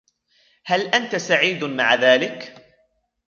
هل أنتَ سعيد مع ذلك ؟